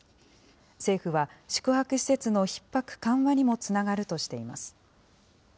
政府は、宿泊施設のひっ迫緩和にもつながるとしています。